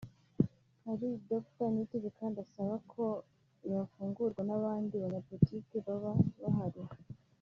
hari Dr Niyitegeka ndasaba ko yafungurwa n’abandi banyapolitiki baba bahari